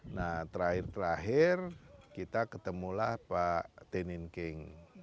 nah terakhir terakhir kita ketemulah pak tenin king